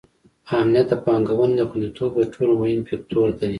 امنیت د پانګونې د خونديتوب تر ټولو مهم فکتور دی.